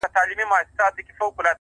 ه ياره په ژړا نه کيږي،